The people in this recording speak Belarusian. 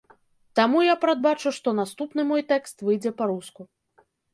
Таму я прадбачу, што наступны мой тэкст выйдзе па-руску.